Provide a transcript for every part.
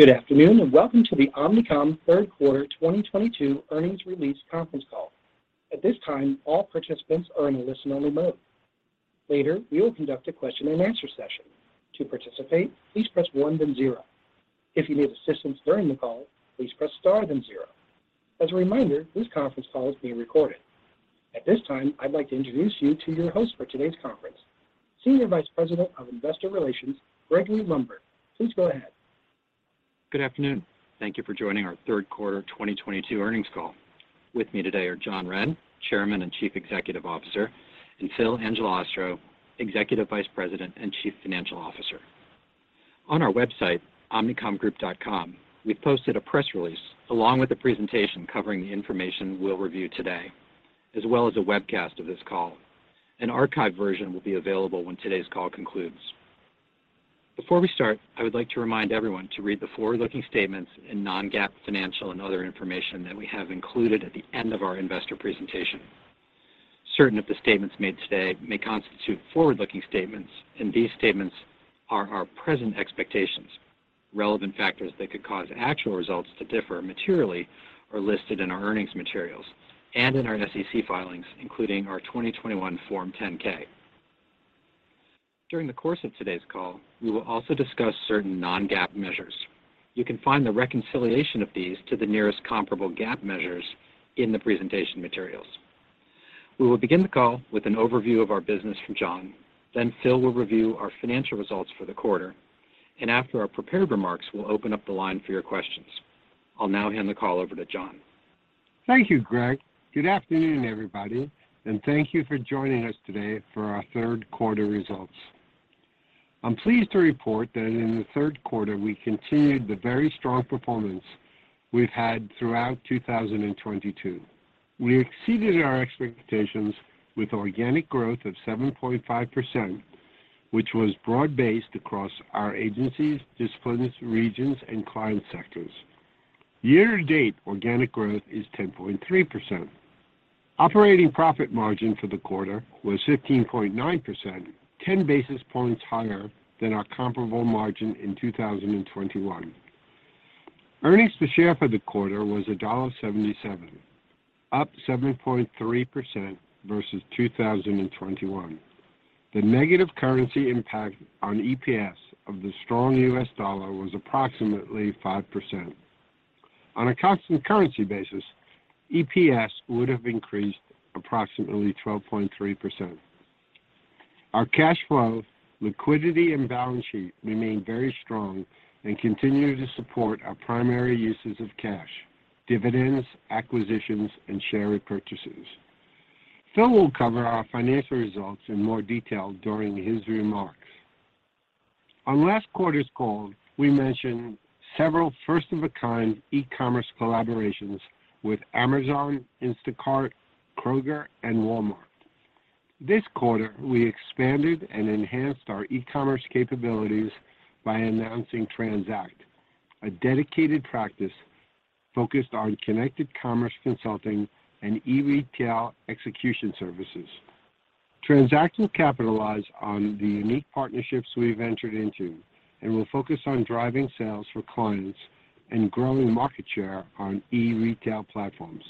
Good afternoon, and welcome to the Omnicom Q3 2022 Earnings Release Conference Call. At this time, all participants are in a listen-only mode. Later, we will conduct a question and answer session. To participate, please press one then zero. If you need assistance during the call, please press star then zero. As a reminder, this conference call is being recorded. At this time, I'd like to introduce you to your host for today's conference, Senior Vice President of Investor Relations, Gregory Lundberg. Please go ahead. Good afternoon. Thank you for joining our Q3 2022 earnings call. With me today are John Wren, Chairman and Chief Executive Officer, and Phil Angelastro, Executive Vice President and Chief Financial Officer. On our website, omnicomgroup.com, we've posted a press release along with the presentation covering the information we'll review today, as well as a webcast of this call. An archived version will be available when today's call concludes. Before we start, I would like to remind everyone to read the forward-looking statements and non-GAAP financial and other information that we have included at the end of our investor presentation. Certain of the statements made today may constitute forward-looking statements, and these statements are our present expectations. Relevant factors that could cause actual results to differ materially are listed in our earnings materials and in our SEC filings, including our 2021 Form 10-K. During the course of today's call, we will also discuss certain non-GAAP measures. You can find the reconciliation of these to the nearest comparable GAAP measures in the presentation materials. We will begin the call with an overview of our business from John. Phil will review our financial results for the quarter, and after our prepared remarks, we'll open up the line for your questions. I'll now hand the call over to John. Thank you, Greg. Good afternoon, everybody, and thank you for joining us today for our Q3 results. I'm pleased to report that in the Q3, we continued the very strong performance we've had throughout 2022. We exceeded our expectations with organic growth of 7.5%, which was broad-based across our agencies, disciplines, regions, and client sectors. Year-to-date organic growth is 10.3%. Operating profit margin for the quarter was 15.9%, 10 basis points higher than our comparable margin in 2021. Earnings per share for the quarter was $1.77, up 7.3% versus 2021. The negative currency impact on EPS of the strong U.S. dollar was approximately 5%. On a constant currency basis, EPS would have increased approximately 12.3%. Our cash flow, liquidity, and balance sheet remain very strong and continue to support our primary uses of cash, dividends, acquisitions, and share repurchases. Phil will cover our financial results in more detail during his remarks. On last quarter's call, we mentioned several first-of-a-kind e-commerce collaborations with Amazon, Instacart, Kroger, and Walmart. This quarter, we expanded and enhanced our e-commerce capabilities by announcing Transact, a dedicated practice focused on connected commerce consulting and e-retail execution services. Transact will capitalize on the unique partnerships we've entered into and will focus on driving sales for clients and growing market share on e-retail platforms.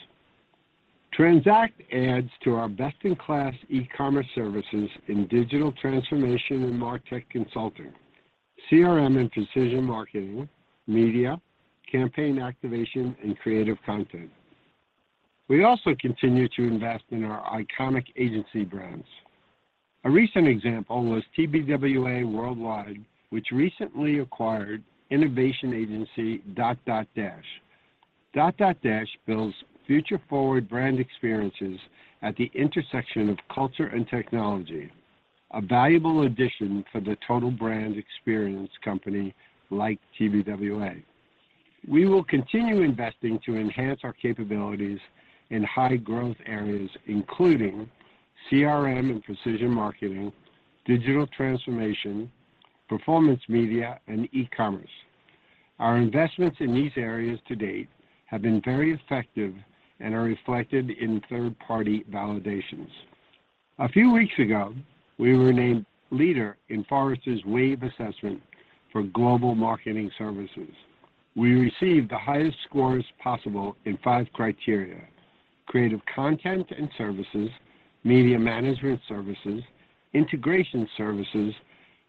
Transact adds to our best-in-class e-commerce services in digital transformation and Martech consulting, CRM and precision marketing, media, campaign activation, and creative content. We also continue to invest in our iconic agency brands. A recent example was TBWA Worldwide, which recently acquired innovation agency dotdotdash. Dotdotdash builds future-forward brand experiences at the intersection of culture and technology, a valuable addition for the total brand experience company like TBWA. We will continue investing to enhance our capabilities in high-growth areas, including CRM and precision marketing, digital transformation, performance media, and e-commerce. Our investments in these areas to date have been very effective and are reflected in third-party validations. A few weeks ago, we were named leader in Forrester's Wave assessment for global marketing services. We received the highest scores possible in five criteria. Creative content and services, media management services, integration services,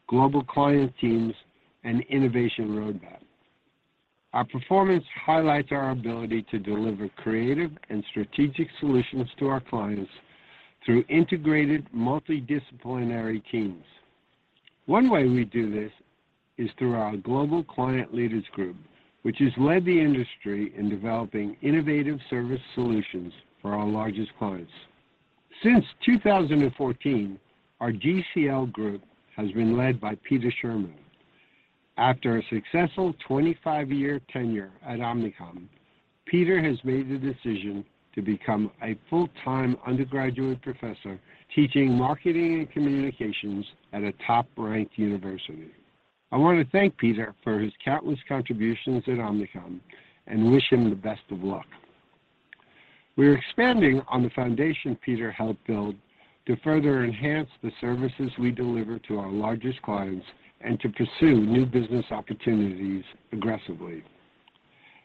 global client teams, and innovation roadmap. Our performance highlights our ability to deliver creative and strategic solutions to our clients through integrated multidisciplinary teams. One way we do this is through our Global Client Leaders group, which has led the industry in developing innovative service solutions for our largest clients. Since 2014, our GCL group has been led by Peter Sherman. After a successful 25-year tenure at Omnicom, Peter has made the decision to become a full-time undergraduate professor, teaching marketing and communications at a top-ranked university. I want to thank Peter for his countless contributions at Omnicom and wish him the best of luck. We're expanding on the foundation Peter helped build to further enhance the services we deliver to our largest clients and to pursue new business opportunities aggressively.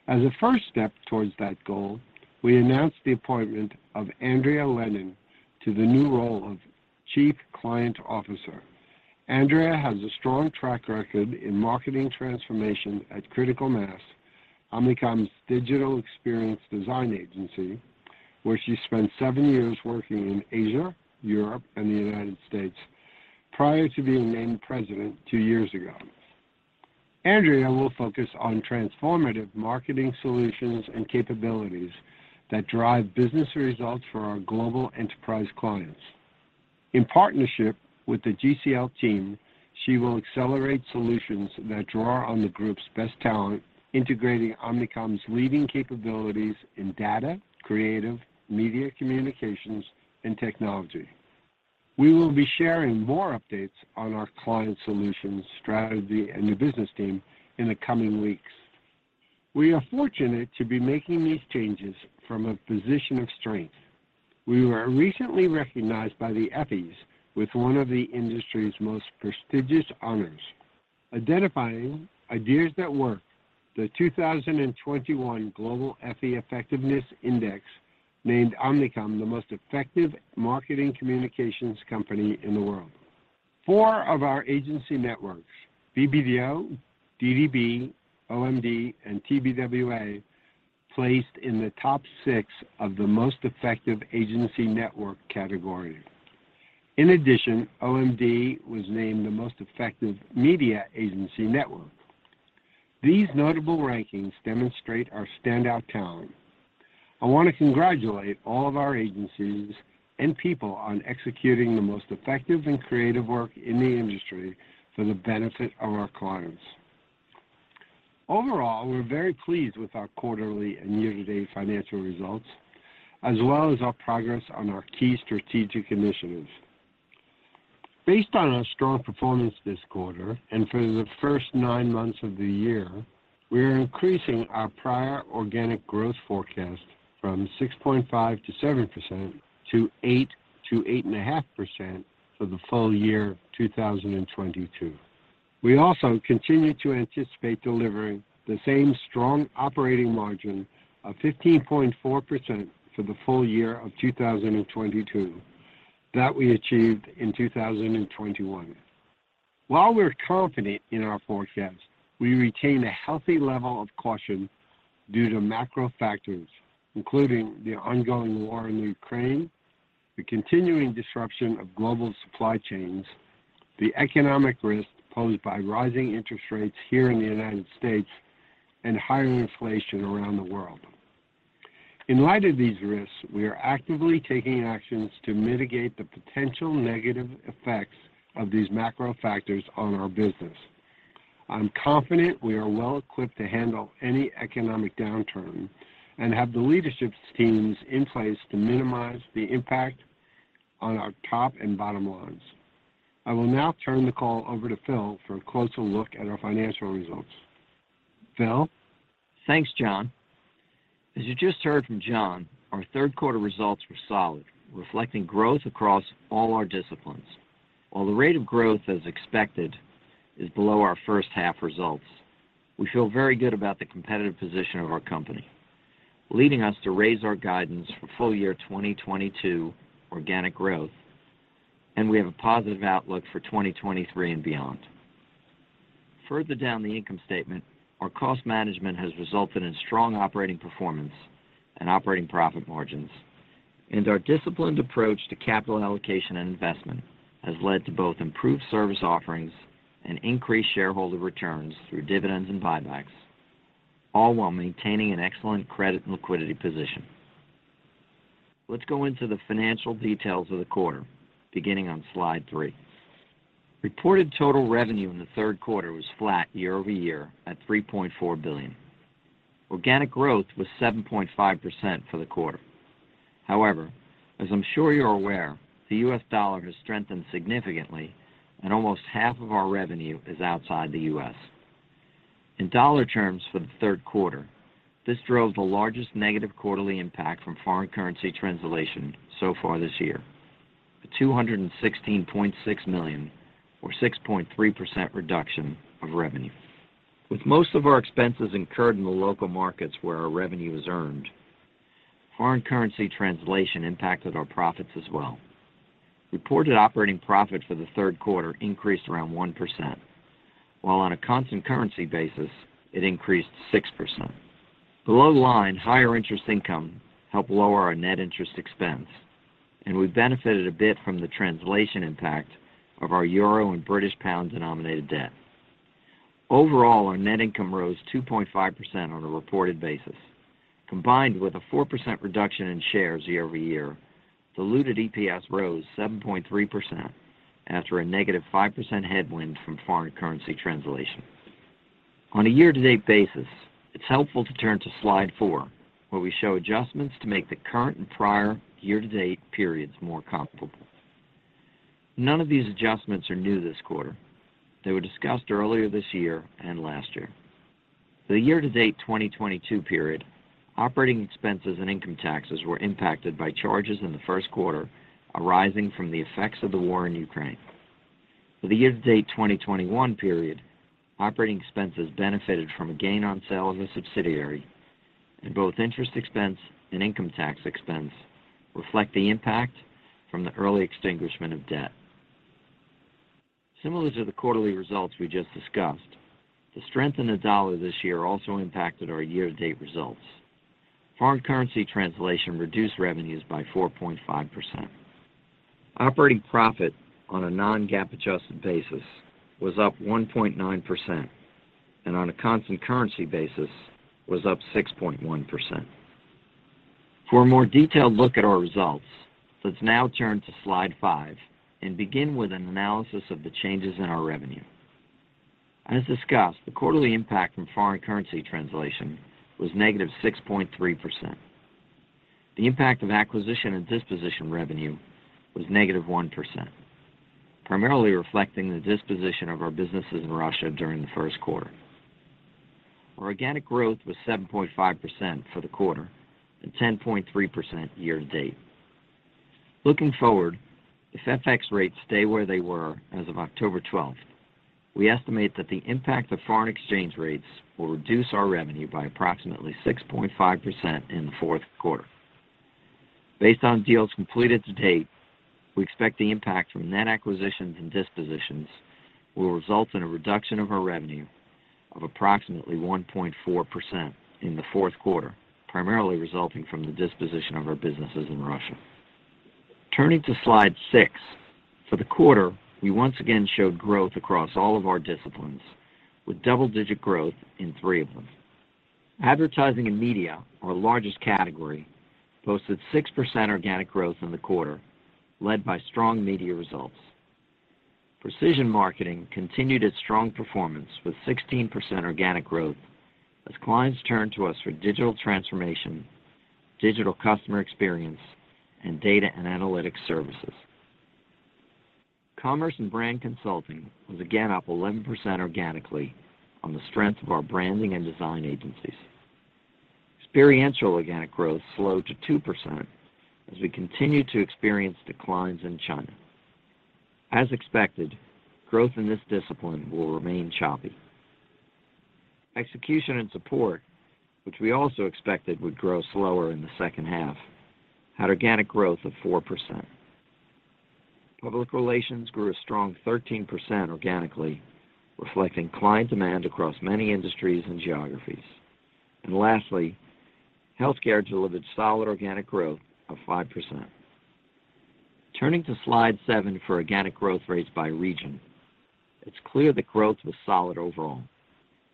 As a first step towards that goal, we announced the appointment of Andrea Lennon to the new role of Chief Client Officer. Andrea has a strong track record in marketing transformation at Critical Mass, Omnicom's digital experience design agency, where she spent seven years working in Asia, Europe, and the United States prior to being named president two years ago. Andrea will focus on transformative marketing solutions and capabilities that drive business results for our global enterprise clients. In partnership with the GCL team, she will accelerate solutions that draw on the group's best talent, integrating Omnicom's leading capabilities in data, creative, media communications, and technology. We will be sharing more updates on our client solutions strategy and new business team in the coming weeks. We are fortunate to be making these changes from a position of strength. We were recently recognized by the Effies with one of the industry's most prestigious honors. Identifying ideas that work, the 2021 Global Effie Effectiveness Index named Omnicom the most effective marketing communications company in the world. Four of our agency networks, BBDO, DDB, OMD, and TBWA, placed in the top six of the most effective agency network category. In addition, OMD was named the most effective media agency network. These notable rankings demonstrate our standout talent. I want to congratulate all of our agencies and people on executing the most effective and creative work in the industry for the benefit of our clients. Overall, we're very pleased with our quarterly and year-to-date financial results, as well as our progress on our key strategic initiatives. Based on our strong performance this quarter and for the first nine months of the year, we are increasing our prior organic growth forecast f`rom 6.5%-7% to 8%-8.5% for the full year 2022. We also continue to anticipate delivering the same strong operating margin of 15.4% for the full year of 2022 that we achieved in 2021. While we're confident in our forecast, we retain a healthy level of caution due to macro factors, including the ongoing war in Ukraine, the continuing disruption of global supply chains, the economic risk posed by rising interest rates here in the United States, and higher inflation around the world. In light of these risks, we are actively taking actions to mitigate the potential negative effects of these macro factors on our business. I'm confident we are well equipped to handle any economic downturn and have the leadership teams in place to minimize the impact on our top and bottom lines. I will now turn the call over to Phil for a closer look at our financial results. Phil? Thanks, John. As you just heard from John, our Q3 results were solid, reflecting growth across all our disciplines. While the rate of growth as expected is below our H1 results, we feel very good about the competitive position of our company, leading us to raise our guidance for full year 2022 organic growth, and we have a positive outlook for 2023 and beyond. Further down the income statement, our cost management has resulted in strong operating performance and operating profit margins, and our disciplined approach to capital allocation and investment has led to both improved service offerings and increased shareholder returns through dividends and buybacks, all while maintaining an excellent credit and liquidity position. Let's go into the financial details of the quarter, beginning on slide three. Reported total revenue in the Q3 was flat year over year at $3.4 billion. Organic growth was 7.5% for the quarter. However, as I'm sure you're aware, the U.S. dollar has strengthened significantly, and almost half of our revenue is outside the U.S.. In dollar terms for the Q3, this drove the largest negative quarterly impact from foreign currency translation so far this year, a $216.6 million or 6.3% reduction of revenue. With most of our expenses incurred in the local markets where our revenue is earned, foreign currency translation impacted our profits as well. Reported operating profit for the Q3 increased around 1%, while on a constant currency basis, it increased 6%. Below the line, higher interest income helped lower our net interest expense, and we benefited a bit from the translation impact of our euro and British pound-denominated debt. Overall, our net income rose 2.5% on a reported basis. Combined with a 4% reduction in shares year-over-year, diluted EPS rose 7.3% after a negative 5% headwind from foreign currency translation. On a year-to-date basis, it's helpful to turn to slide 4, where we show adjustments to make the current and prior year-to-date periods more comparable. None of these adjustments are new this quarter. They were discussed earlier this year and last year. For the year-to-date 2022 period, operating expenses and income taxes were impacted by charges in the Q1 arising from the effects of the war in Ukraine. For the year-to-date 2021 period, operating expenses benefited from a gain on sale of a subsidiary, and both interest expense and income tax expense reflect the impact from the early extinguishment of debt. Similar to the quarterly results we just discussed, the strength in the dollar this year also impacted our year-to-date results. Foreign currency translation reduced revenues by 4.5%. Operating profit on a non-GAAP adjusted basis was up 1.9% and on a constant currency basis was up 6.1%. For a more detailed look at our results, let's now turn to slide 5 and begin with an analysis of the changes in our revenue. As discussed, the quarterly impact from foreign currency translation was -6.3%. The impact of acquisition and disposition revenue was -1%, primarily reflecting the disposition of our businesses in Russia during the Q1. Organic growth was 7.5% for the quarter and 10.3% year-to-date. Looking forward, if FX rates stay where they were as of October 12, we estimate that the impact of foreign exchange rates will reduce our revenue by approximately 6.5% in the Q4. Based on deals completed to date, we expect the impact from net acquisitions and dispositions will result in a reduction of our revenue of approximately 1.4% in the Q4, primarily resulting from the disposition of our businesses in Russia. Turning to slide six, for the quarter, we once again showed growth across all of our disciplines, with double-digit growth in three of them. Advertising and media, our largest category, posted 6% organic growth in the quarter, led by strong media results. Precision marketing continued its strong performance with 16% organic growth as clients turned to us for digital transformation, digital customer experience, and data and analytics services. Commerce and brand consulting was again up 11% organically on the strength of our branding and design agencies. Experiential organic growth slowed to 2% as we continued to experience declines in China. As expected, growth in this discipline will remain choppy. Execution and support, which we also expected would grow slower in the H2, had organic growth of 4%. Public relations grew a strong 13% organically, reflecting client demand across many industries and geographies. Lastly, healthcare delivered solid organic growth of 5%. Turning to slide seven for organic growth rates by region, it's clear that growth was solid overall,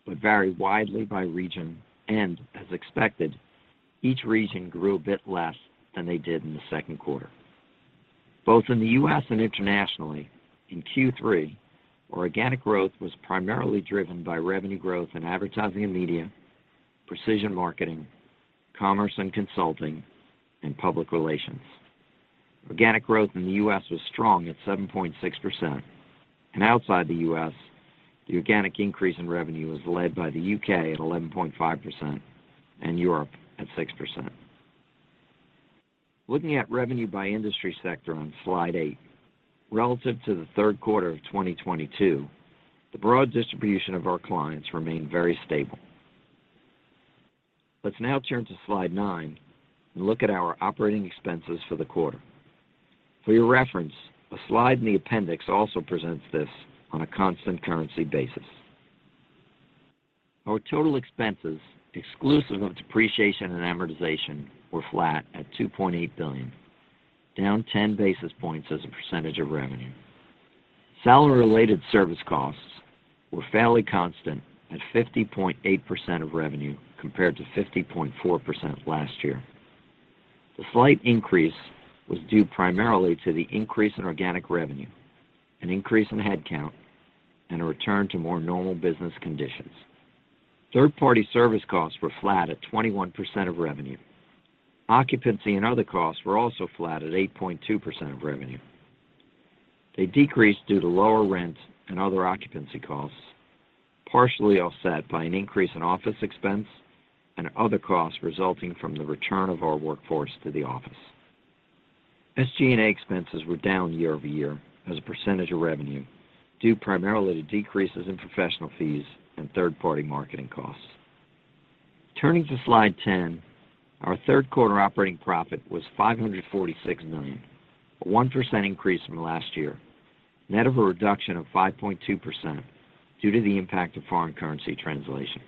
but varied widely by region, and as expected, each region grew a bit less than they did in the Q2. Both in the U.S. and internationally, in Q3, organic growth was primarily driven by revenue growth in advertising and media, precision marketing, commerce and consulting, and public relations. Organic growth in the U.S. was strong at 7.6%, and outside the U.S., the organic increase in revenue was led by the U.K. at 11.5% and Europe at 6%. Looking at revenue by industry sector on slide eight, relative to the Q3 of 2022, the broad distribution of our clients remained very stable. Let's now turn to slide nine and look at our operating expenses for the quarter. For your reference, a slide in the appendix also presents this on a constant currency basis. Our total expenses, exclusive of depreciation and amortization, were flat at $2.8 billion, down 10 basis points as a percentage of revenue. Salary-related service costs were fairly constant at 50.8% of revenue compared to 50.4% last year. The slight increase was due primarily to the increase in organic revenue, an increase in headcount, and a return to more normal business conditions. Third-party service costs were flat at 21% of revenue. Occupancy and other costs were also flat at 8.2% of revenue. They decreased due to lower rent and other occupancy costs, partially offset by an increase in office expense and other costs resulting from the return of our workforce to the office. SG&A expenses were down year over year as a percentage of revenue due primarily to decreases in professional fees and third-party marketing costs. Turning to slide 10, our Q3 operating profit was $546 million, a 1% increase from last year, net of a reduction of 5.2% due to the impact of foreign currency translation.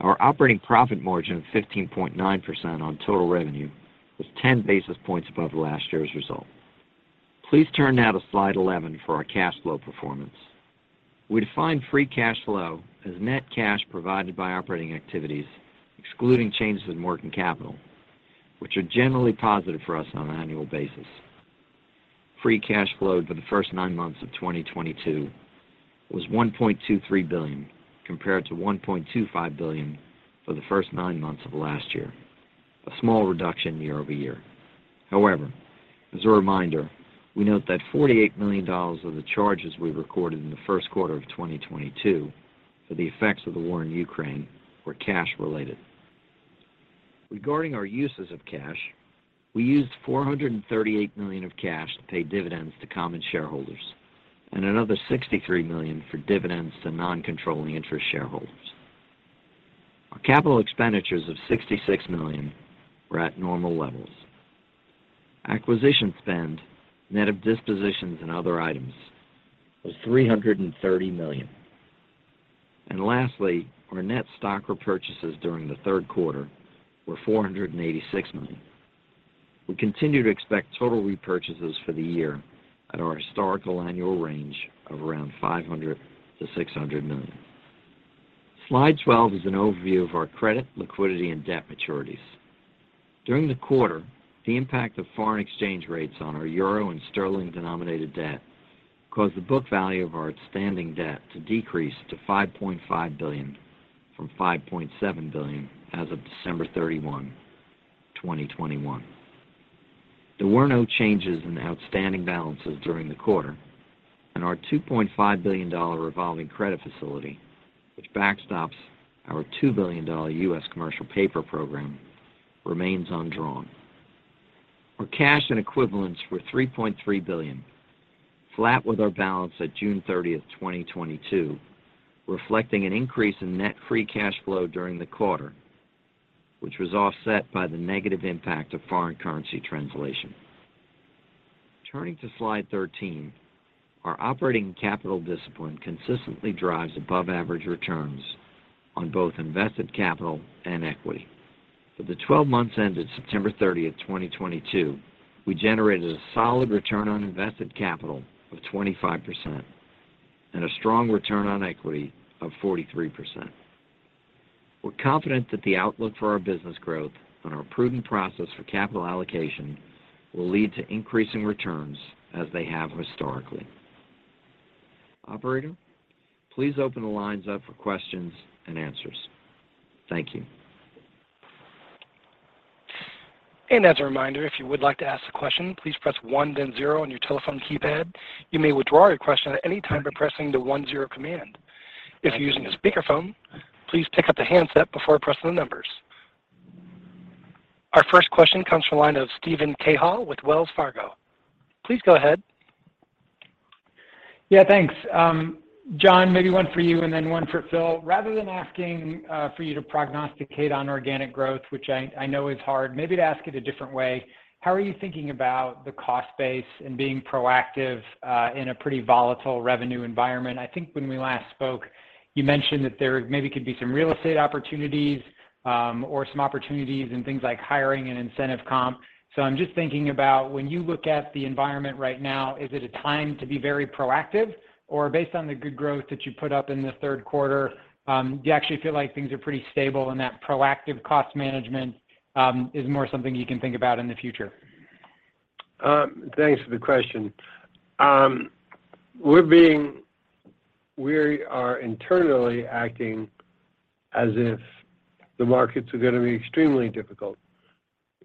Our operating profit margin of 15.9% on total revenue was 10 basis points above last year's result. Please turn now to slide 11 for our cash flow performance. We define free cash flow as net cash provided by operating activities, excluding changes in working capital, which are generally positive for us on an annual basis. Free cash flow for the first nine months of 2022 was $1.23 billion compared to $1.25 billion for the first nine months of last year. A small reduction year-over-year. However, as a reminder, we note that $48 million of the charges we recorded in the Q1 of 2022 for the effects of the war in Ukraine were cash related. Regarding our uses of cash, we used $438 million of cash to pay dividends to common shareholders and another $63 million for dividends to non-controlling interest shareholders. Our capital expenditures of $66 million were at normal levels. Acquisition spend, net of dispositions and other items was $330 million. Lastly, our net stock repurchases during the Q3 were $486 million. We continue to expect total repurchases for the year at our historical annual range of around $500 million-$600 million. Slide 12 is an overview of our credit, liquidity, and debt maturities. During the quarter, the impact of foreign exchange rates on our euro and sterling denominated debt caused the book value of our outstanding debt to decrease to $5.5 billion from $5.7 billion as of December 31, 2021. There were no changes in outstanding balances during the quarter. Our $2.5 billion revolving credit facility, which backstops our $2 billion U.S. commercial paper program, remains undrawn. Our cash and equivalents were $3.3 billion, flat with our balance at June 30, 2022, reflecting an increase in net free cash flow during the quarter, which was offset by the negative impact of foreign currency translation. Turning to slide 13. Our operating capital discipline consistently drives above average returns on both invested capital and equity. For the 12 months ended September 30, 2022, we generated a solid return on invested capital of 25% and a strong return on equity of 43%. We're confident that the outlook for our business growth and our prudent process for capital allocation will lead to increasing returns as they have historically. Operator, please open the lines up for questions and answers. Thank you. As a reminder, if you would like to ask a question, please press one then zero on your telephone keypad. You may withdraw your question at any time by pressing the one zero command. If you're using a speakerphone, please pick up the handset before pressing the numbers. Our first question comes from the line of Steven Cahall with Wells Fargo. Please go ahead. Yeah, thanks. John, maybe one for you and then one for Phil. Rather than asking, for you to prognosticate on organic growth, which I know is hard, maybe to ask it a different way, how are you thinking about the cost base and being proactive, in a pretty volatile revenue environment? I think when we last spoke, you mentioned that there maybe could be some real estate opportunities, or some opportunities in things like hiring and incentive comp. I'm just thinking about when you look at the environment right now, is it a time to be very proactive? Or based on the good growth that you put up in the Q3, do you actually feel like things are pretty stable and that proactive cost management, is more something you can think about in the future? Thanks for the question. We are internally acting as if the markets are gonna be extremely difficult.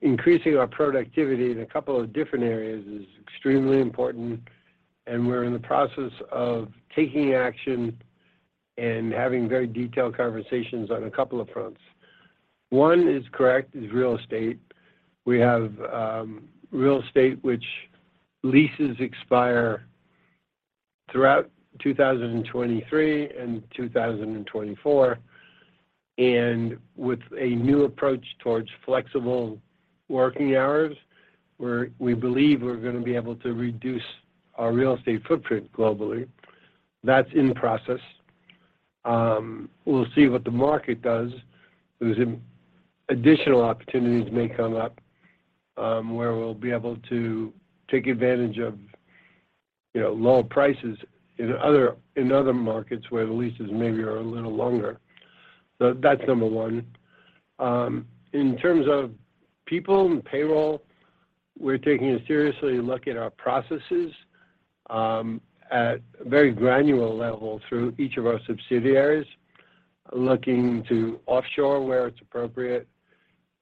Increasing our productivity in a couple of different areas is extremely important, and we're in the process of taking action and having very detailed conversations on a couple of fronts. One is real estate. We have real estate which leases expire throughout 2023 and 2024. With a new approach towards flexible working hours, we believe we're gonna be able to reduce our real estate footprint globally. That's in process. We'll see what the market does as additional opportunities may come up, where we'll be able to take advantage of, you know, lower prices in other markets where the leases maybe are a little longer. That's number one In terms of people and payroll, we're taking a serious look at our processes at a very granular level through each of our subsidiaries. Looking to offshore where it's appropriate.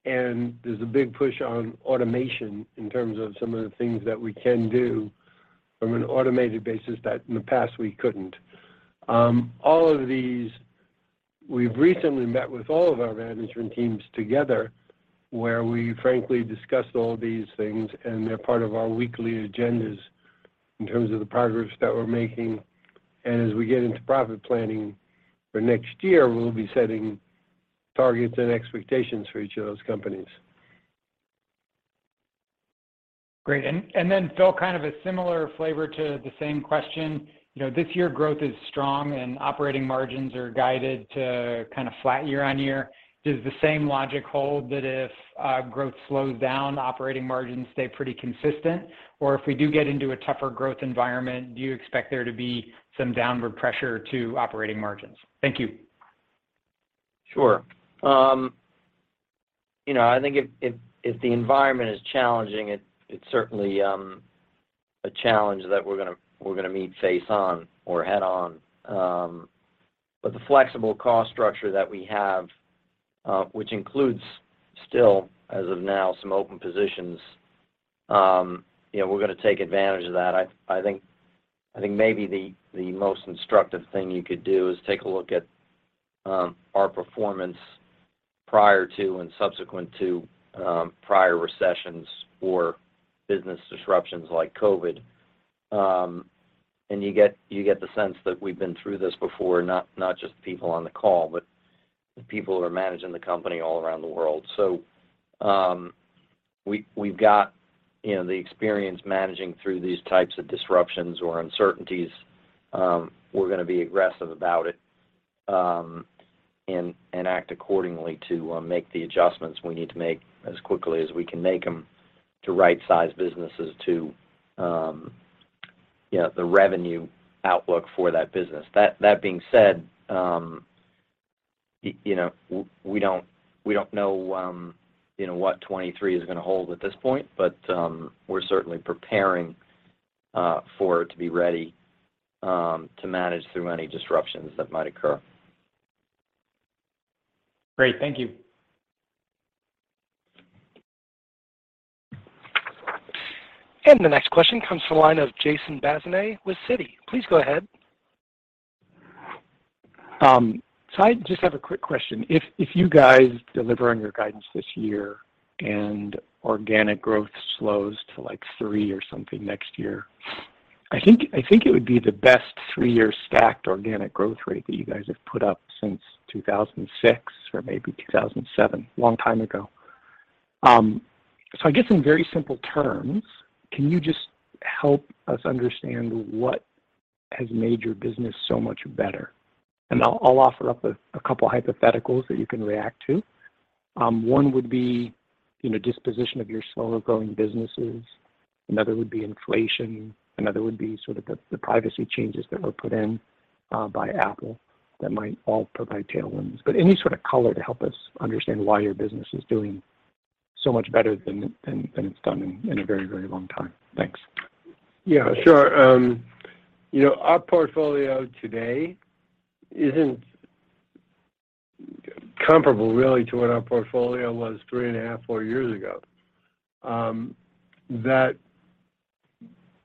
There's a big push on automation in terms of some of the things that we can do from an automated basis that in the past we couldn't. All of these, we've recently met with all of our management teams together where we frankly discussed all these things, and they're part of our weekly agendas in terms of the progress that we're making. As we get into profit planning for next year, we'll be setting targets and expectations for each of those companies. Great. Then Phil, kind of a similar flavor to the same question. You know, this year growth is strong and operating margins are guided to kind of flat year-over-year. Does the same logic hold that if growth slows down, operating margins stay pretty consistent? Or if we do get into a tougher growth environment, do you expect there to be some downward pressure on operating margins? Thank you. Sure. You know, I think if the environment is challenging, it certainly. A challenge that we're gonna meet face on or head on. The flexible cost structure that we have, which includes still, as of now, some open positions, you know, we're gonna take advantage of that. I think maybe the most instructive thing you could do is take a look at our performance prior to and subsequent to prior recessions or business disruptions like COVID. You get the sense that we've been through this before, not just the people on the call, but the people that are managing the company all around the world. We've got, you know, the experience managing through these types of disruptions or uncertainties. We're gonna be aggressive about it, and act accordingly to make the adjustments we need to make as quickly as we can make them to right-size businesses to, you know, the revenue outlook for that business. That being said, you know, we don't know, you know, what 2023 is gonna hold at this point, but we're certainly preparing for it to be ready to manage through any disruptions that might occur. Great. Thank you. The next question comes from the line of Jason Bazinet with Citi. Please go ahead. I just have a quick question. If you guys deliver on your guidance this year and organic growth slows to, like, three or something next year, I think it would be the best three-year stacked organic growth rate that you guys have put up since 2006 or maybe 2007. A long time ago. I guess in very simple terms, can you just help us understand what has made your business so much better? I'll offer up a couple hypotheticals that you can react to. One would be, you know, disposition of your slower-growing businesses. Another would be inflation. Another would be sort of the privacy changes that were put in by Apple that might all provide tailwinds. Any sort of color to help us understand why your business is doing so much better than it's done in a very, very long time. Thanks. Yeah. Sure. You know, our portfolio today isn't comparable really to what our portfolio was 3.5, three years ago.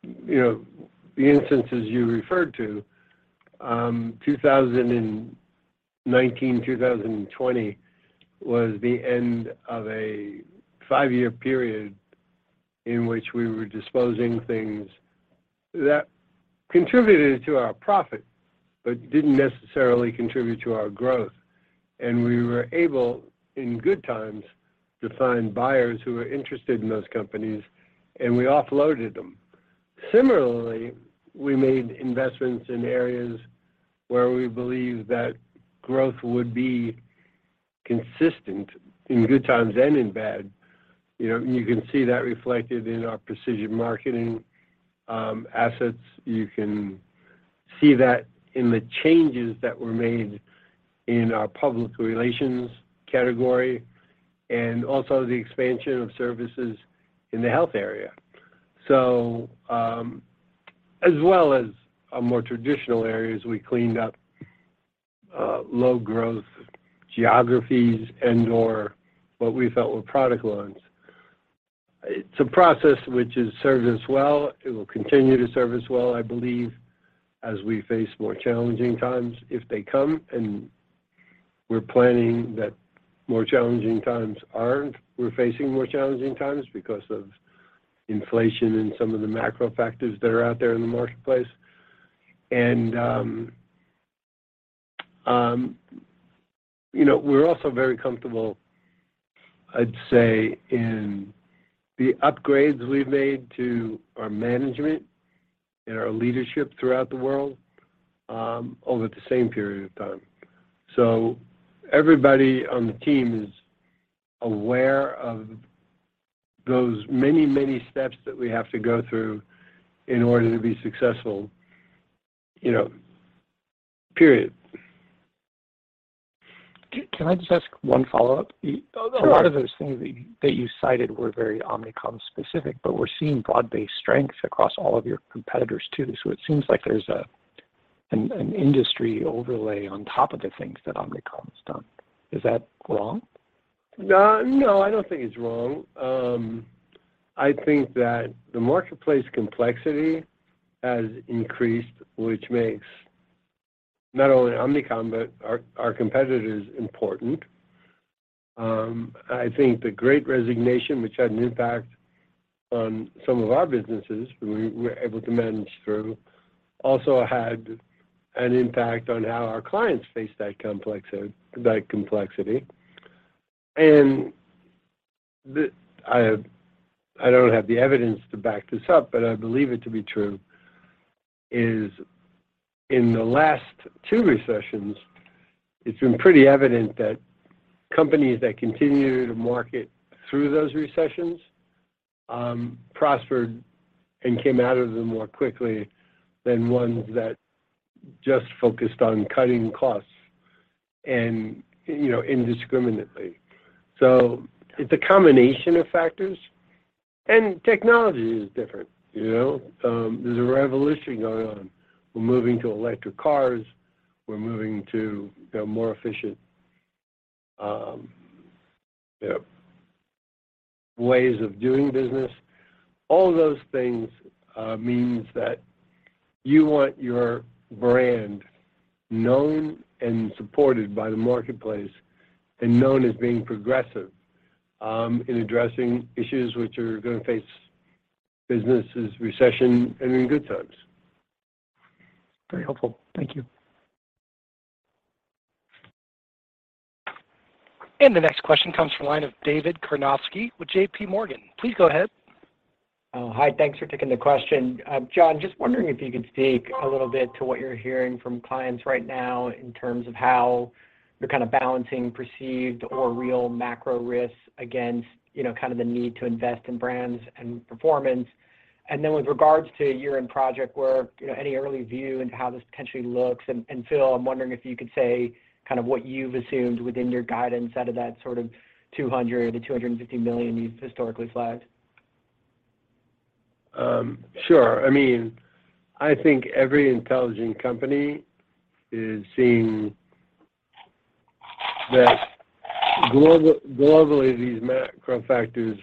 You know, the instances you referred to, 2019, 2020 was the end of a 5-year period in which we were disposing things that contributed to our profit, but didn't necessarily contribute to our growth. We were able, in good times, to find buyers who were interested in those companies, and we offloaded them. Similarly, we made investments in areas where we believed that growth would be consistent in good times and in bad. You know, you can see that reflected in our precision marketing assets. You can see that in the changes that were made in our public relations category, and also the expansion of services in the health area. As well as our more traditional areas, we cleaned up low-growth geographies and/or what we felt were product lines. It's a process which has served us well. It will continue to serve us well, I believe, as we face more challenging times, if they come. We're planning that more challenging times aren't. We're facing more challenging times because of inflation and some of the macro factors that are out there in the marketplace. We're also very comfortable, I'd say, in the upgrades we've made to our management and our leadership throughout the world over the same period of time. Everybody on the team is aware of those many, many steps that we have to go through in order to be successful, you know, period. Can I just ask one follow-up? Sure. A lot of those things that you cited were very Omnicom specific, but we're seeing broad-based strengths across all of your competitors too. It seems like there's an industry overlay on top of the things that Omnicom's done. Is that wrong? No, no, I don't think it's wrong. I think that the marketplace complexity has increased, which makes not only Omnicom, but our competitors important. I think the great resignation, which had an impact on some of our businesses, we were able to manage through, also had an impact on how our clients face that complexity. I don't have the evidence to back this up, but I believe it to be true, is in the last two recessions, it's been pretty evident that companies that continued to market through those recessions prospered and came out of them more quickly than ones that just focused on cutting costs. You know, indiscriminately. It's a combination of factors. Technology is different, you know. There's a revolution going on. We're moving to electric cars. We're moving to more efficient, ways of doing business. All those things, means that you want your brand known and supported by the marketplace and known as being progressive, in addressing issues which are gonna face businesses, recession, and in good times. Very helpful. Thank you. The next question comes from the line of David Karnovsky with JPMorgan. Please go ahead. Oh, hi. Thanks for taking the question. John, just wondering if you could speak a little bit to what you're hearing from clients right now in terms of how you're kind of balancing perceived or real macro risks against, you know, kind of the need to invest in brands and performance. With regards to year-end project work, you know, any early view into how this potentially looks. Phil, I'm wondering if you could say kind of what you've assumed within your guidance out of that sort of $200 million-$250 million you've historically flagged. Sure. I mean, I think every intelligent company is seeing that globally, these macro factors,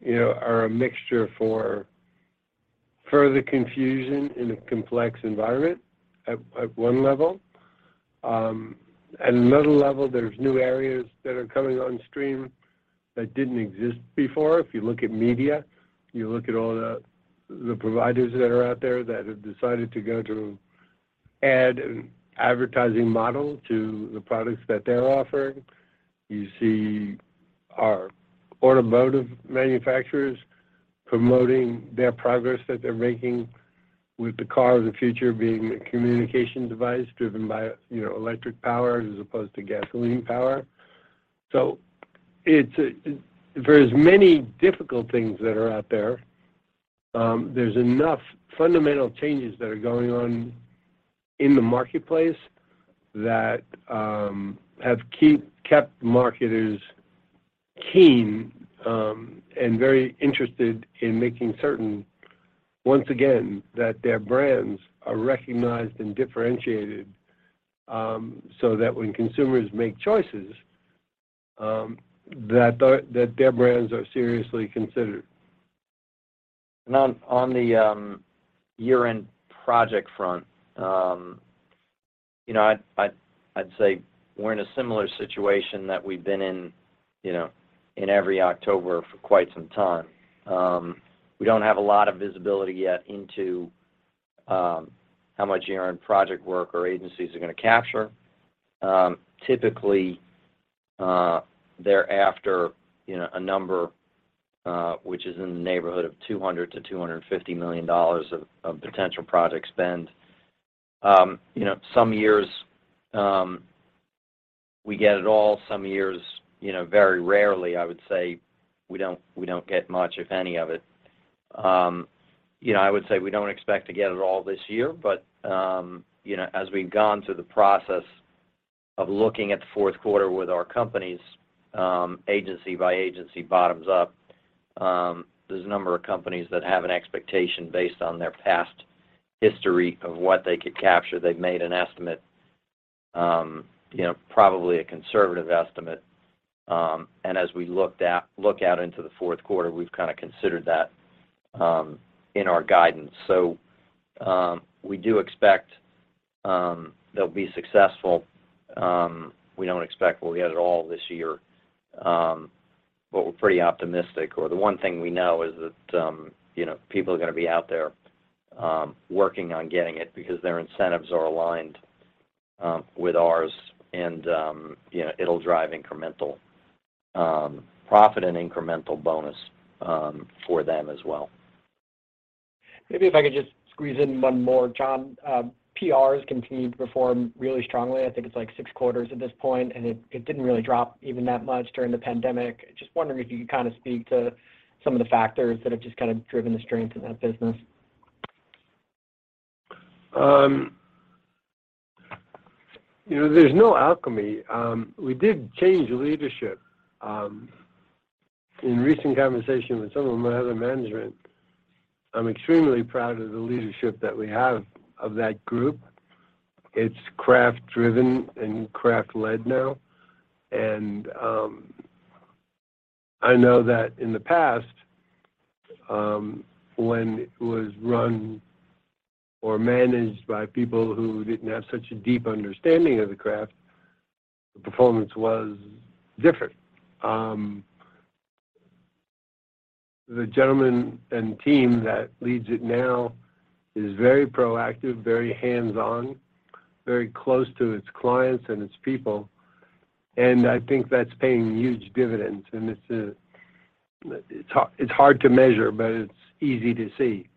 you know, are a mixture for further confusion in a complex environment at one level. At another level, there's new areas that are coming on stream that didn't exist before. If you look at media, you look at all the providers that are out there that have decided to go to ad an advertising model to the products that they're offering. You see our automotive manufacturers promoting their progress that they're making with the car of the future being a communication device driven by, you know, electric power as opposed to gasoline power. There's many difficult things that are out there. There's enough fundamental changes that are going on in the marketplace that have kept marketers keen and very interested in making certain, once again, that their brands are recognized and differentiated, so that when consumers make choices, that their brands are seriously considered. On the year-end project front, you know, I'd say we're in a similar situation that we've been in, you know, in every October for quite some time. We don't have a lot of visibility yet into how much year-end project work our agencies are gonna capture. Typically, they're after, you know, a number which is in the neighborhood of $200 million-$250 million of potential project spend. You know, some years we get it all. Some years, you know, very rarely, I would say, we don't get much, if any of it. You know, I would say we don't expect to get it all this year. You know, as we've gone through the process of looking at the Q4 with our companies, agency by agency, bottoms up, there's a number of companies that have an expectation based on their past history of what they could capture. They've made an estimate, you know, probably a conservative estimate. As we look out into the Q4, we've kind of considered that, in our guidance. we do expect they'll be successful. we don't expect we'll get it all this year. we're pretty optimistic, or the one thing we know is that, you know, people are gonna be out there, working on getting it because their incentives are aligned, with ours and, you know, it'll drive incremental, profit and incremental bonus, for them as well. Maybe if I could just squeeze in one more. John, PR has continued to perform really strongly. I think it's like 6 quarters at this point, and it didn't really drop even that much during the pandemic. Just wondering if you could kind of speak to some of the factors that have just kind of driven the strength in that business. You know, there's no alchemy. We did change leadership. In recent conversation with some of my other management, I'm extremely proud of the leadership that we have of that group. It's craft-driven and craft-led now. I know that in the past, when it was run or managed by people who didn't have such a deep understanding of the craft, the performance was different. The gentleman and team that leads it now is very proactive, very hands-on, very close to its clients and its people, and I think that's paying huge dividends. It's hard to measure, but it's easy to see.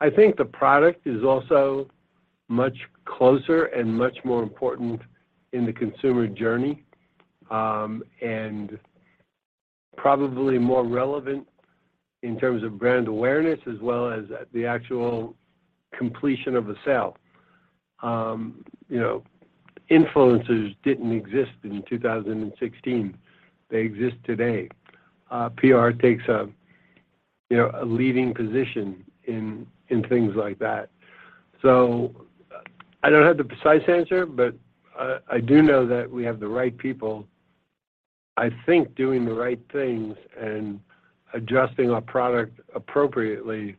I think the product is also much closer and much more important in the consumer journey and probably more relevant in terms of brand awareness as well as the actual completion of a sale. You know, influencers didn't exist in 2016. They exist today. PR takes a, you know, a leading position in things like that. I don't have the precise answer, but I do know that we have the right people, I think doing the right things and adjusting our product appropriately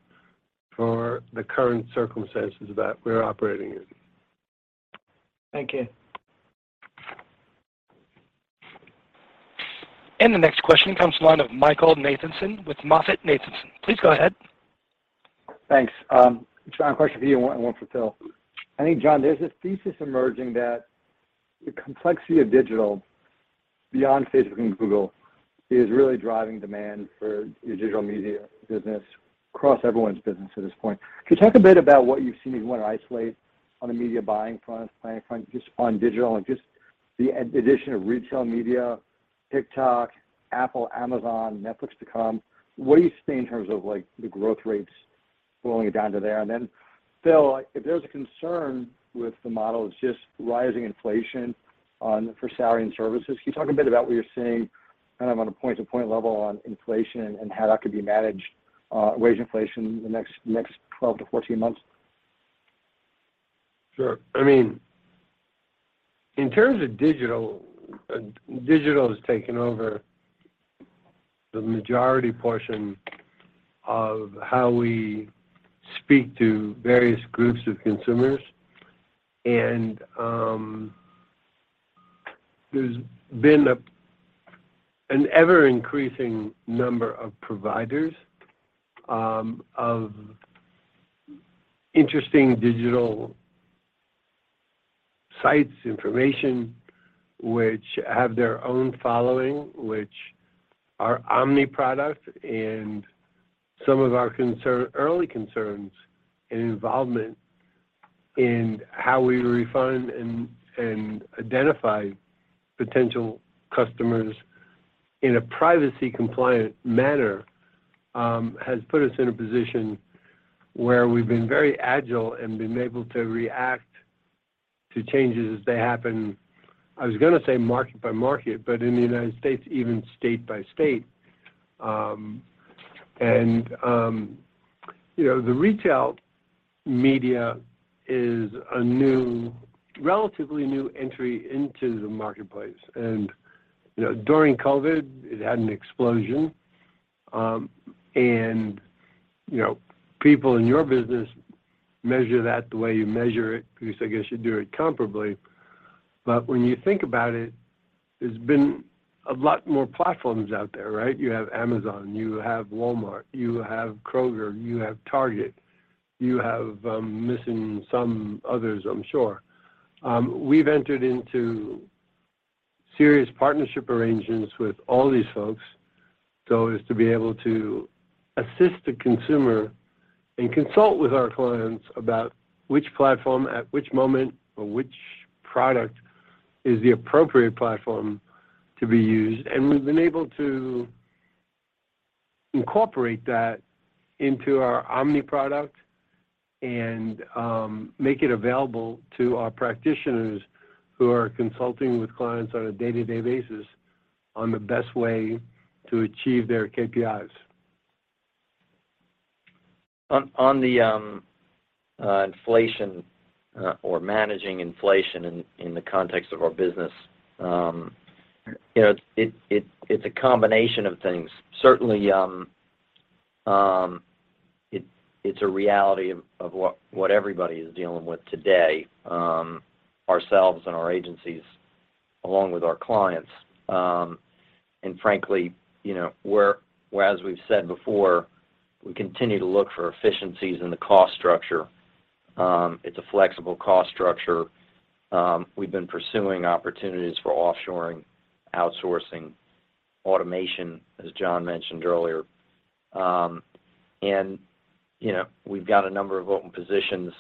for the current circumstances that we're operating in. Thank you. The next question comes from the line of Michael Nathanson with MoffettNathanson. Please go ahead. Thanks. John, question for you and one for Phil. I think John, there's a thesis emerging that the complexity of digital beyond Facebook and Google is really driving demand for your digital media business across everyone's business at this point. Could you talk a bit about what you've seen, if you want to isolate on a media buying front, planning front, just on digital and just the addition of retail media, TikTok, Apple, Amazon, Netflix to come? What do you see in terms of like the growth rates boiling it down to there? Then Phil, if there's a concern with the model is just rising inflation on salary and services. Can you talk a bit about what you're seeing kind of on a point to point level on inflation and how that could be managed, wage inflation in the next 12-14 months? Sure. I mean, in terms of digital has taken over the majority portion of how we speak to various groups of consumers. There's been an ever-increasing number of providers of interesting digital sites, information, which have their own following, which are Omni product and some of our early concerns and involvement in how we refine and identify potential customers in a privacy compliant manner has put us in a position where we've been very agile and been able to react to changes as they happen. I was gonna say market by market, but in the United States, even state by state. You know, the retail media is a relatively new entry into the marketplace. You know, during COVID, it had an explosion. You know, people in your business measure that the way you measure it because I guess you do it comparably. When you think about it, there's been a lot more platforms out there, right? You have Amazon, you have Walmart, you have Kroger, you have Target, you have, I'm missing some others, I'm sure. We've entered into serious partnership arrangements with all these folks so as to be able to assist the consumer and consult with our clients about which platform at which moment or which product is the appropriate platform to be used. We've been able to incorporate that into our Omni product and make it available to our practitioners who are consulting with clients on a day-to-day basis on the best way to achieve their KPIs. On the inflation or managing inflation in the context of our business, you know, it's a combination of things. Certainly, it's a reality of what everybody is dealing with today, ourselves and our agencies along with our clients. Frankly, you know, we're as we've said before, we continue to look for efficiencies in the cost structure. It's a flexible cost structure. We've been pursuing opportunities for offshoring, outsourcing, automation, as John mentioned earlier. You know, we've got a number of open positions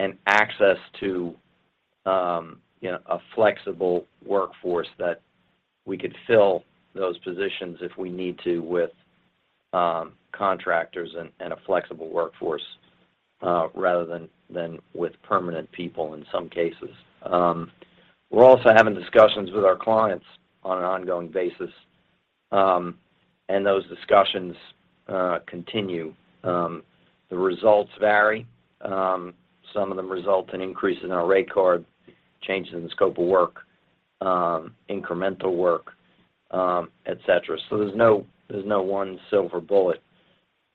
and access to a flexible workforce that we could fill those positions if we need to with contractors and a flexible workforce, rather than with permanent people in some cases. We're also having discussions with our clients on an ongoing basis, and those discussions continue. The results vary. Some of them result in increase in our rate card, changes in the scope of work, incremental work, et cetera. There's no one silver bullet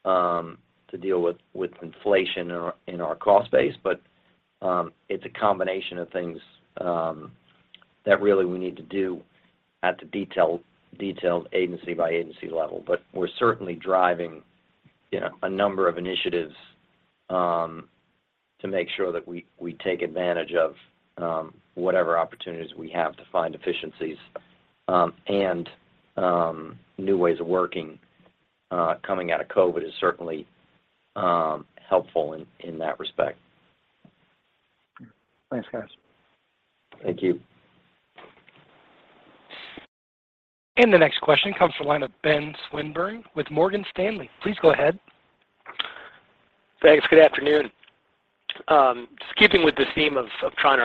to deal with inflation in our cost base. It's a combination of things that really we need to do at the detailed agency by agency level. We're certainly driving, you know, a number of initiatives to make sure that we take advantage of whatever opportunities we have to find efficiencies. New ways of working coming out of COVID is certainly helpful in that respect. Thanks, guys. Thank you. The next question comes from the line of Ben Swinburne with Morgan Stanley. Please go ahead. Thanks. Good afternoon. Just keeping with this theme of trying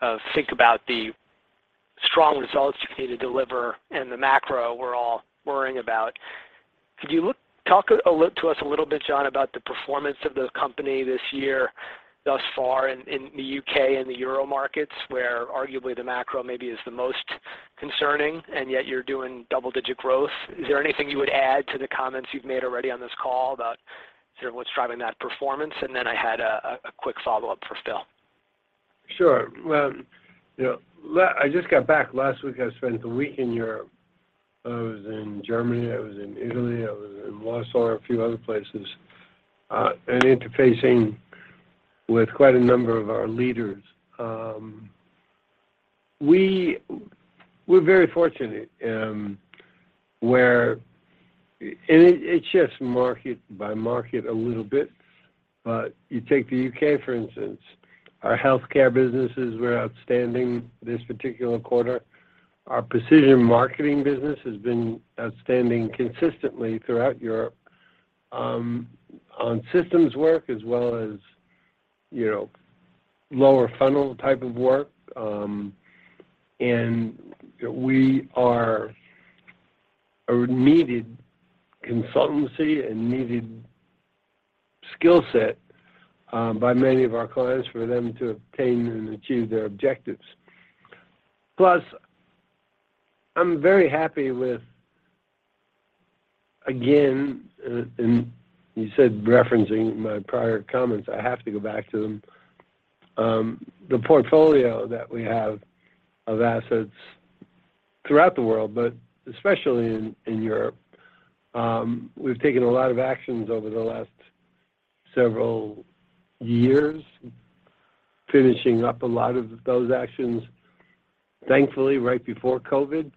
to think about the strong results you need to deliver and the macro we're all worrying about. Could you talk to us a little bit, John, about the performance of the company this year thus far in the U.K. and the Euro markets, where arguably the macro maybe is the most concerning, and yet you're doing double-digit growth. Is there anything you would add to the comments you've made already on this call about sort of what's driving that performance? I had a quick follow-up for Phil. Sure. Well, you know, I just got back. Last week, I spent the week in Europe. I was in Germany, I was in Italy, I was in Warsaw, a few other places, and interfacing with quite a number of our leaders. We're very fortunate, and it shifts market by market a little bit. You take the U.K., for instance. Our healthcare businesses were outstanding this particular quarter. Our precision marketing business has been outstanding consistently throughout Europe, on systems work as well as, you know, lower funnel type of work. We are a needed consultancy and needed skill set by many of our clients for them to obtain and achieve their objectives. Plus, I'm very happy with, again, and you said, referencing my prior comments, I have to go back to them. The portfolio that we have of assets throughout the world, but especially in Europe, we've taken a lot of actions over the last several years, finishing up a lot of those actions, thankfully, right before COVID.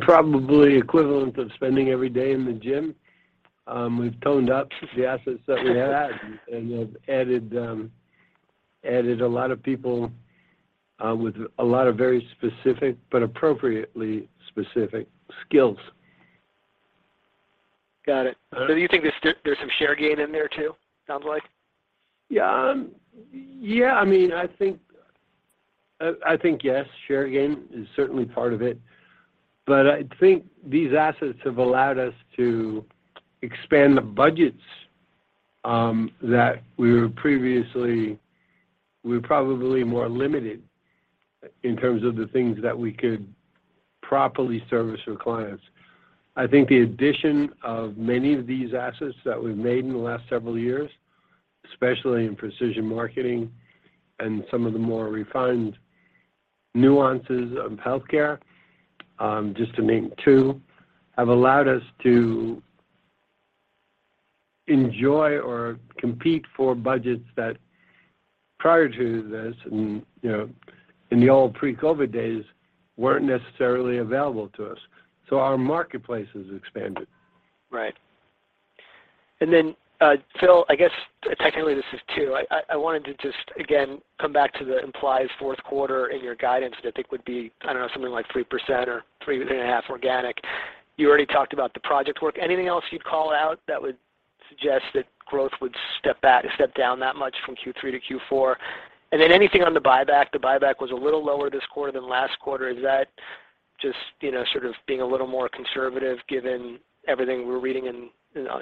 Probably equivalent of spending every day in the gym, we've toned up the assets that we had and have added a lot of people with a lot of very specific but appropriately specific skills. Got it. Uh- Do you think there's some share gain in there, too, sounds like? Yeah. Yeah, I mean, I think yes, share gain is certainly part of it. I think these assets have allowed us to expand the budgets that we were probably more limited in terms of the things that we could properly service for clients. I think the addition of many of these assets that we've made in the last several years, especially in precision marketing and some of the more refined nuances of healthcare, just to name two, have allowed us to enjoy or compete for budgets that prior to this and, you know, in the old pre-COVID days, weren't necessarily available to us. Our marketplace has expanded. Right. Then, Phil, I guess technically this is two. I wanted to just again come back to the implied Q4 in your guidance that I think would be, I don't know, something like 3% or 3.5% organic. You already talked about the project work. Anything else you'd call out that would suggest that growth would step down that much from Q3 to Q4? Then anything on the buyback? The buyback was a little lower this quarter than last quarter. Is that just, you know, sort of being a little more conservative given everything we're reading and,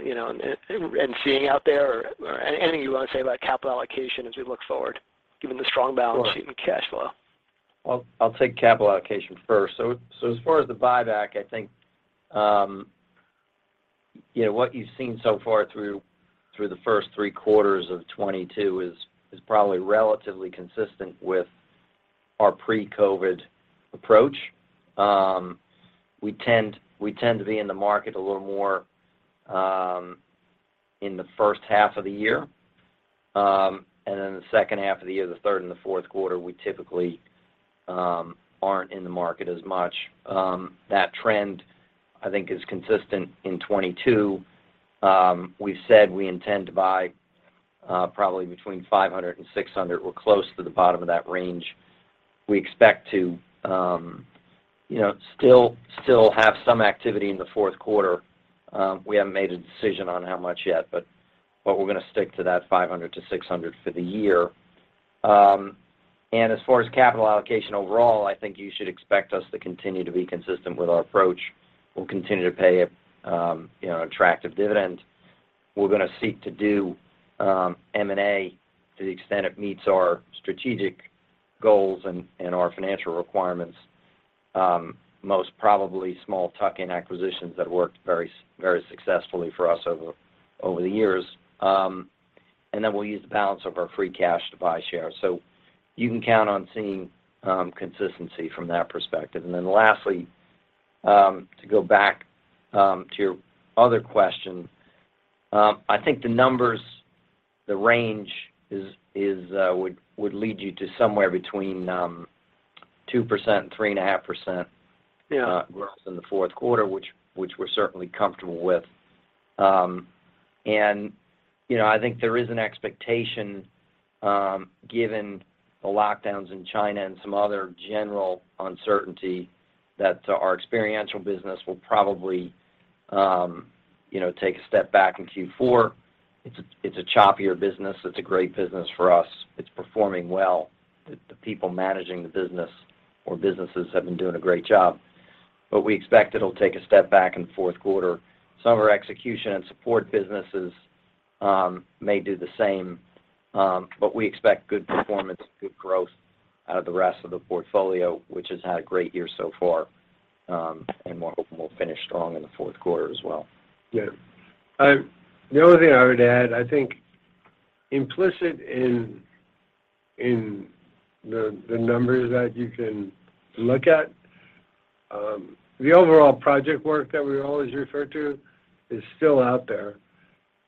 you know, seeing out there? Or anything you want to say about capital allocation as we look forward, given the strong balance sheet and cash flow? Sure. Well, I'll take capital allocation first. As far as the buyback, I think, you know, what you've seen so far through the first three quarters of 2022 is probably relatively consistent with our pre-COVID approach. We tend to be in the market a little more in the H1 of the year. The H2 of the year, the Q3 and the Q4, we typically aren't in the market as much. That trend, I think, is consistent in 2022. We've said we intend to buy probably between $500 and $600. We're close to the bottom of that range. We expect to, you know, still have some activity in the Q4. We haven't made a decision on how much yet, but we're gonna stick to that $500-$600 for the year. As far as capital allocation overall, I think you should expect us to continue to be consistent with our approach. We'll continue to pay a, you know, attractive dividend. We're gonna seek to do M&A to the extent it meets our strategic goals and our financial requirements, most probably small tuck-in acquisitions that have worked very successfully for us over the years. Then we'll use the balance of our free cash to buy shares. You can count on seeing consistency from that perspective. Lastly, to go back to your other question, I think the numbers, the range is. Would lead you to somewhere between 2% and 3.5%. Yeah Growth in the Q4, which we're certainly comfortable with. You know, I think there is an expectation, given the lockdowns in China and some other general uncertainty that our experiential business will probably, you know, take a step back in Q4. It's a choppier business. It's a great business for us. It's performing well. The people managing the business or businesses have been doing a great job, but we expect it'll take a step back in the Q4. Some of our execution and support businesses may do the same, but we expect good performance, good growth out of the rest of the portfolio, which has had a great year so far, and we're hoping will finish strong in the Q4 as well. Yeah. The only thing I would add, I think implicit in the numbers that you can look at, the overall project work that we always refer to is still out there.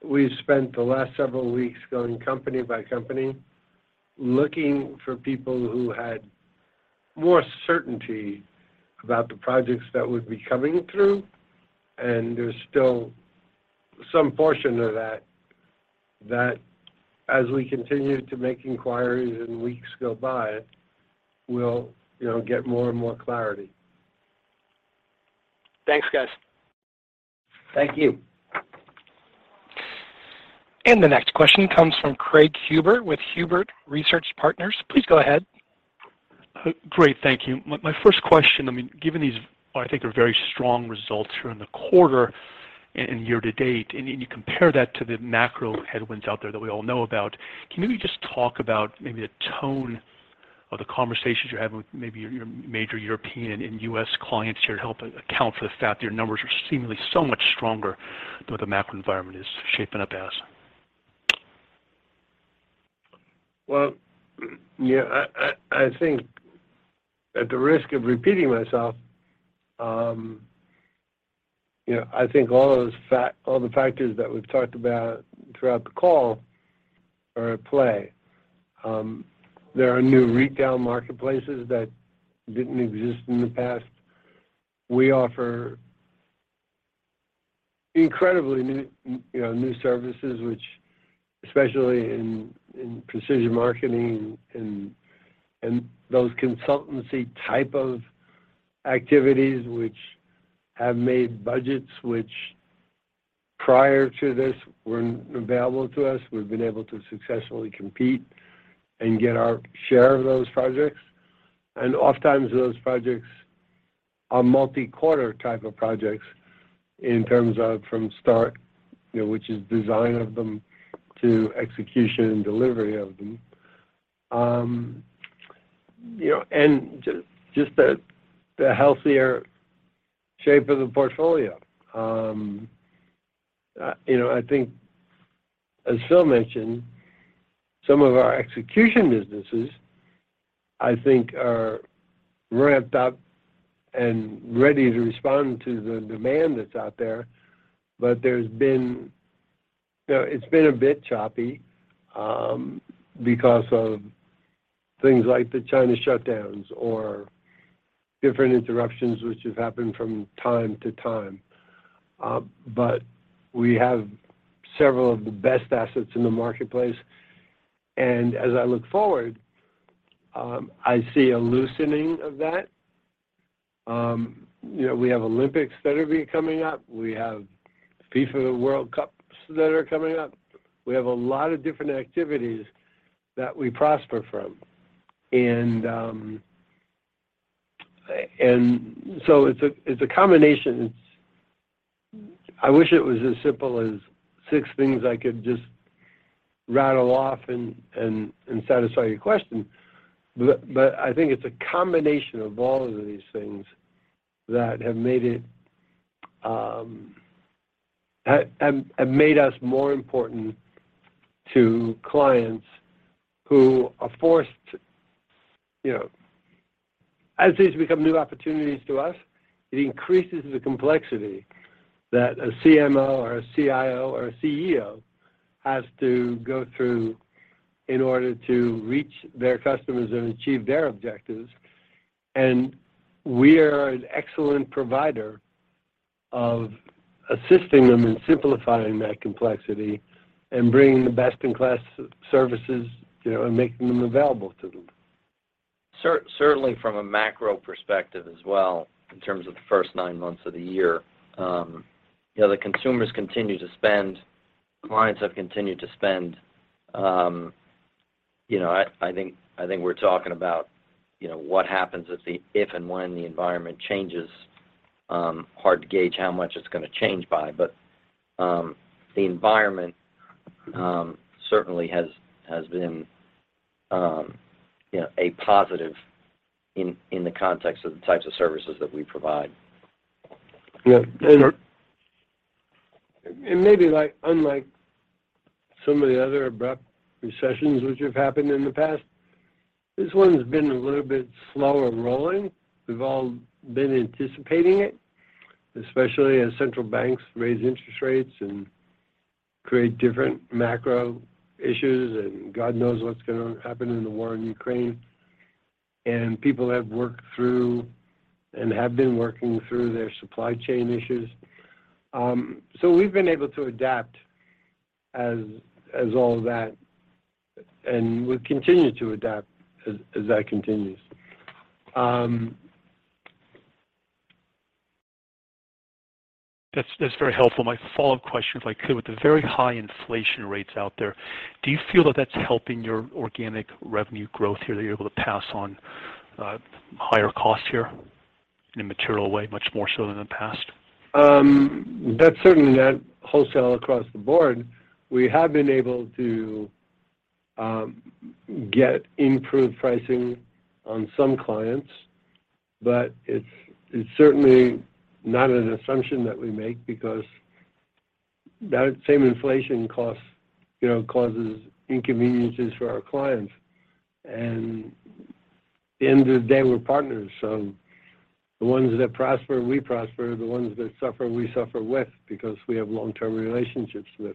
We've spent the last several weeks going company by company, looking for people who had more certainty about the projects that would be coming through, and there's still some portion of that as we continue to make inquiries and weeks go by, we'll you know get more and more clarity. Thanks, guys. Thank you. The next question comes from Craig Huber with Huber Research Partners. Please go ahead. Great. Thank you. My first question, I mean, given these, what I think are very strong results here in the quarter and year to date, and then you compare that to the macro headwinds out there that we all know about, can you maybe just talk about the tone of the conversations you're having with your major European and U.S. clients here to help account for the fact that your numbers are seemingly so much stronger than what the macro environment is shaping up as? Well, yeah, I think at the risk of repeating myself, you know, I think all the factors that we've talked about throughout the call are at play. There are new retail marketplaces that didn't exist in the past. We offer incredibly new services which, especially in precision marketing and those consultancy-type activities, have made budgets which prior to this weren't available to us. We've been able to successfully compete and get our share of those projects. Oftentimes, those projects are multi-quarter-type projects in terms of from start, you know, which is design of them to execution and delivery of them. You know, just the healthier shape of the portfolio. You know, I think as Phil mentioned, some of our execution businesses, I think, are ramped up and ready to respond to the demand that's out there. There's been you know, it's been a bit choppy, because of things like the China shutdowns or different interruptions which have happened from time to time. We have several of the best assets in the marketplace, and as I look forward, I see a loosening of that. You know, we have Olympics that'll be coming up. We have FIFA World Cups that are coming up. We have a lot of different activities that we prosper from. And so it's a combination. It's I wish it was as simple as six things I could just rattle off and satisfy your question. I think it's a combination of all of these things that have made us more important to clients who are forced, you know. As these become new opportunities to us, it increases the complexity that a CMO or a CIO or a CEO has to go through in order to reach their customers and achieve their objectives, and we are an excellent provider of assisting them in simplifying that complexity and bringing the best-in-class services, you know, and making them available to them. Certainly from a macro perspective as well, in terms of the first nine months of the year, you know, the consumers continue to spend, clients have continued to spend. You know, I think we're talking about, you know, what happens if and when the environment changes. Hard to gauge how much it's gonna change by, but the environment certainly has been, you know, a positive in the context of the types of services that we provide. Yeah, maybe like unlike some of the other abrupt recessions which have happened in the past, this one's been a little bit slower rolling. We've all been anticipating it, especially as central banks raise interest rates and create different macro issues and God knows what's gonna happen in the war in Ukraine. People have worked through and have been working through their supply chain issues. We've been able to adapt as all of that, and we'll continue to adapt as that continues. That's very helpful. My follow-up question, if I could. With the very high inflation rates out there, do you feel that that's helping your organic revenue growth here, that you're able to pass on higher costs here in a material way, much more so than in the past? That's certainly not wholesale across the board. We have been able to get improved pricing on some clients, but it's certainly not an assumption that we make because that same inflation cost, you know, causes inconveniences for our clients. At the end of the day, we're partners. The ones that prosper, we prosper. The ones that suffer, we suffer with because we have long-term relationships with.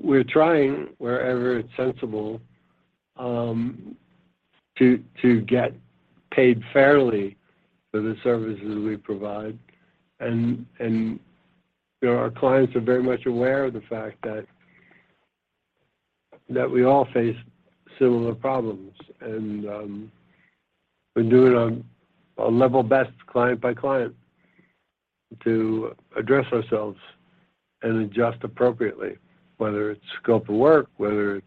We're trying wherever it's sensible to get paid fairly for the services we provide. You know, our clients are very much aware of the fact that we all face similar problems. We do it on a level best, client by client, to address ourselves and adjust appropriately, whether it's scope of work, whether it's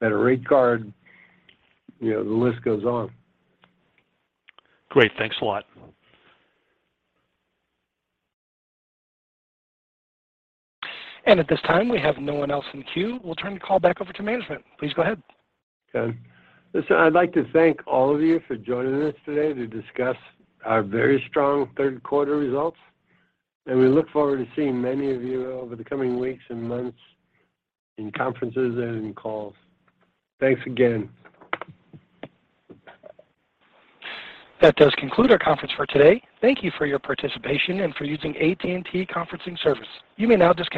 better rate card. You know, the list goes on. Great. Thanks a lot. At this time, we have no one else in the queue. We'll turn the call back over to management. Please go ahead. Okay. Listen, I'd like to thank all of you for joining us today to discuss our very strong Q3 results. We look forward to seeing many of you over the coming weeks and months in conferences and in calls. Thanks again. That does conclude our conference for today. Thank you for your participation and for using AT&T conferencing service. You may now disconnect.